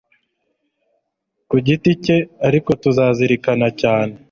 ku giti cye, ariko turazirikana cyane